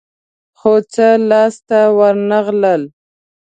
خو څه لاس ته ورنه غلل.